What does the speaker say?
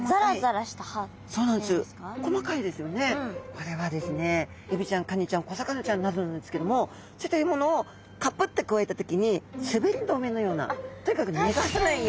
これはですねエビちゃんカニちゃん小魚ちゃんなどなんですけどもそういった獲物をカプッてくわえた時にすべり止めのようなとにかく逃がさないような役目ですね。